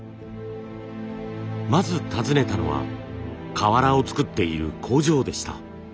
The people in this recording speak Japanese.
まず訪ねたのは瓦を作っている工場でした。